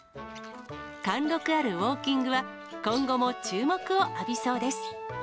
貫録あるウォーキングは、今後も注目を浴びそうです。